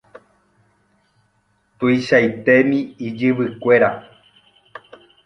Tuichaitémi ijyvykuéra.